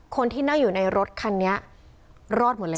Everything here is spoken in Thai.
คนที่นั่งอยู่ในรถคันนี้รอดหมดเลย